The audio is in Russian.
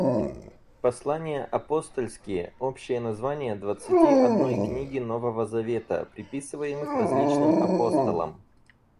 Послания апостольские — общее название двадцати одной книги Нового Завета, приписываемых различным апостолам.